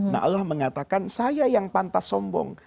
nah allah mengatakan saya yang pantas sombong